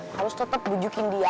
harus tetep bujukin dia